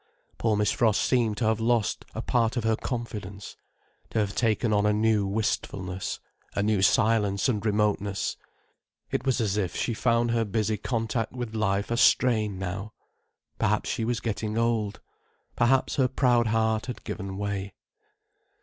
Poor Miss Frost seemed to have lost a part of her confidence, to have taken on a new wistfulness, a new silence and remoteness. It was as if she found her busy contact with life a strain now. Perhaps she was getting old. Perhaps her proud heart had given way.